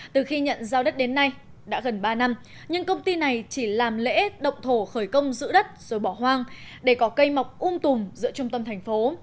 từ khi nhận giao đất đến nay đã gần ba năm nhưng công ty này chỉ làm lễ động thổ khởi công giữ đất rồi bỏ hoang để có cây mọc uông tùng giữa trung tâm thành phố